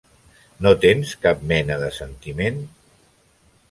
No tens cap mena de sentiment?